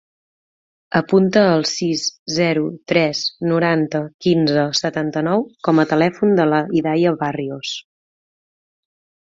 Apunta el sis, zero, tres, noranta, quinze, setanta-nou com a telèfon de la Hidaya Barrios.